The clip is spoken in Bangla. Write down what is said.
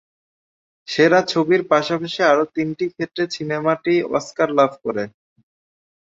সেরা ছবির পাশাপাশি আরও তিনটি ক্ষেত্রে সিনেমাটি অস্কার লাভ করে।